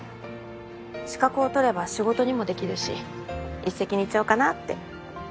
資格を取れば仕事にもできるし一石二鳥かなって。